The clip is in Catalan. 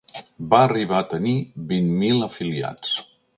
Va arribar a tenir vint mil afiliats.